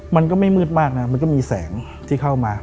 มันก็ไม่มืดมากนะมันก็มีแสงที่เข้ามา